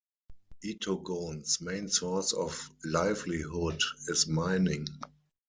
Itogon's main source of livelihood is mining.